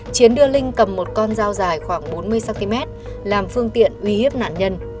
chiến đưa linh cầm một con dao dài khoảng bốn mươi cm làm phương tiện uy hiếp nạn nhân